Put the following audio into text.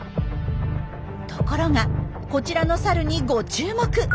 ところがこちらのサルにご注目。